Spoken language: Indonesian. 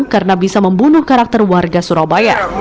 karena bisa membunuh karakter warga surabaya